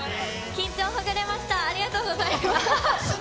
緊張ほぐれました、ありがとうございます。